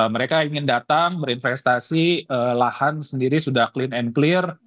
mereka ingin datang berinvestasi lahan sendiri sudah clean and clear